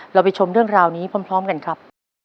ไปชมเรื่องราวนี้พร้อมกันครับ